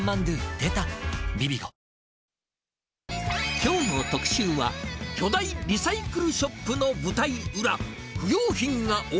きょうの特集は、巨大リサイクルショップの舞台裏。